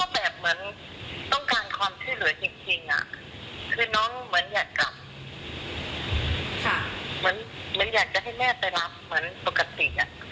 เหมือนอยากจะให้แม่ไปรับเหมือนปกติ